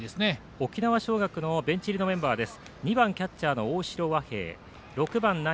沖縄尚学のベンチ入りのメンバーです。